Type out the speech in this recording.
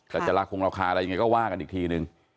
แต่จะราคงราคาอะไรยังไงก็ว่ากันอีกทีนึง